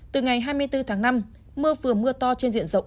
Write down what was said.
từ ngày hai mươi bốn tháng năm mưa vừa mưa to trên diện rộng